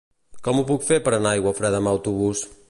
Com ho puc fer per anar a Aiguafreda amb autobús?